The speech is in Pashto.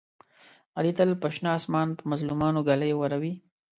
علي تل په شنه اسمان په مظلومانو ږلۍ اوروي.